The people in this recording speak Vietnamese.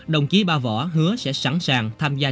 đồng chí ba võ hứa sẽ sẵn sàng tham gia